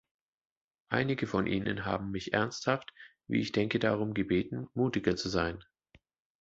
Einige von Ihnen haben mich ernsthaft, wie ich denke darum gebeten, mutiger zu sein.